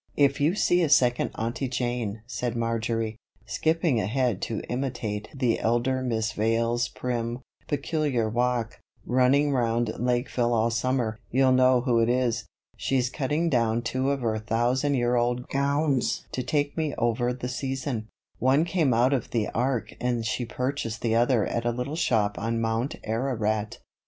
"If you see a second Aunty Jane," said Marjory, skipping ahead to imitate the elder Miss Vale's prim, peculiar walk, "running round Lakeville all summer, you'll know who it is. She's cutting down two of her thousand year old gowns to tide me over the season. One came out of the Ark and she purchased the other at a little shop on Mount Ararat."